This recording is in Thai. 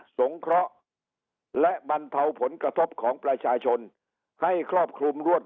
สงเคราะห์และบรรเทาผลกระทบของประชาชนให้ครอบคลุมรวด